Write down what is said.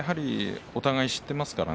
お互い知っていますからね。